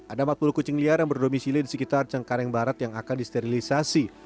ada empat puluh kucing liar yang berdomisili di sekitar cengkareng barat yang akan disterilisasi